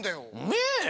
ねえ！